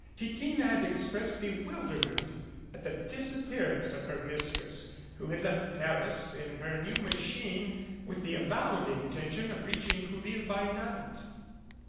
Ti tine had expressed bewilderment at the disappearance of her mistress, who had left Paris in her new machine with the avowed intention of reaching Trouville by night.